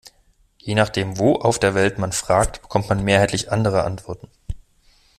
Je nachdem, wo auf der Welt man fragt, bekommt man mehrheitlich andere Antworten.